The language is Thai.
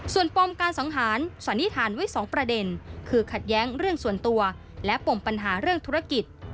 ส่วนปมการสังหารสันนิษฐานไว้๒ประเด็นคือขัดแย้งเรื่องส่วนตัวและปมปัญหาเรื่องธุรกิจ